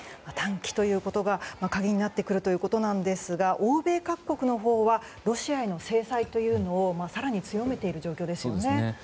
短期ということが鍵になってくるということなんですが欧米各国のほうはロシアへの制裁というのを更に強めている状況ですよね。